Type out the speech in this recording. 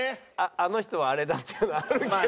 あの人はあれだっていうのはあるけど。